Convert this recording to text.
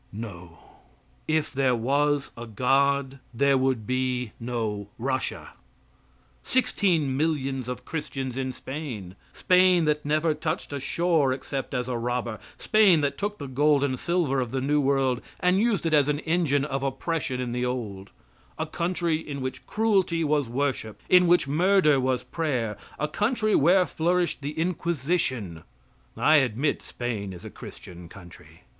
"No;" if there was a God there would be no Russia. Sixteen millions of Christians in Spain Spain that never touched a shore except as a robber Spain that took the gold and silver of the new world and used it as an engine of oppression in the old a country in which cruelty was worship, in which murder was prayer a country where flourished the Inquisition I admit Spain is a Christian country.